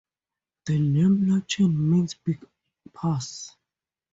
The name "Lachen" means "big pass".